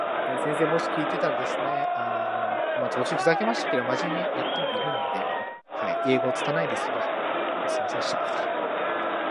One of his son died fighting against Sikh Army.